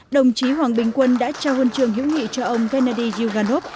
đồng chí hoàng bình quân đã trao huân trường hữu nghị cho ông veney yuganov